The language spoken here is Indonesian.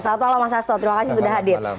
salam mas sasto terima kasih sudah hadir